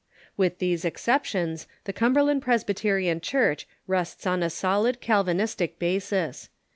With these exceptions, the Cumberland Presbyterian Church rests on a solid Calvinistic basis.